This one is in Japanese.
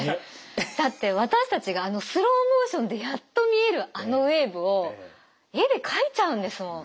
だって私たちがあのスローモーションでやっと見えるあのウエーブを絵で描いちゃうんですもん。